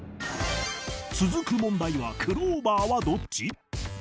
続く問題はクローバーはどっち？